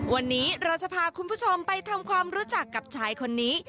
วันนี้เราจะพาคุณผู้ชมไปทำความรู้จักกับชายคนนี้